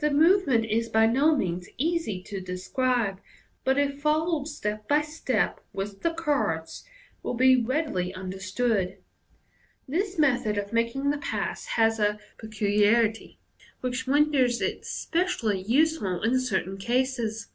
The movement is by no means easy to describe, but if followed step by step with the cards, will be readily understood. This method of making the pass has a peculiarity which renders it specially useful in certain cases.